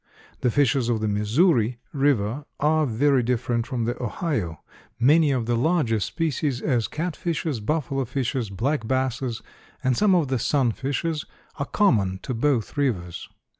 The fishes of the Missouri river are very different from the Ohio, many of the larger species, as catfishes, buffalo fishes, black basses, and some of the sun fishes are common to both rivers.